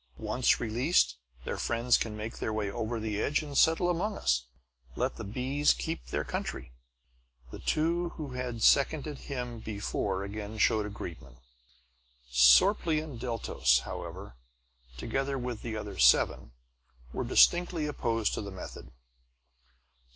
Once released, their friends can make their way over the edge and settle among us. Let the bees keep their country." The two who had seconded him before again showed agreement. Sorplee and Deltos, however, together with the other seven, were distinctly opposed to the method.